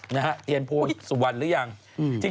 นะฮะเทียนโพสุวรรณหรือยัง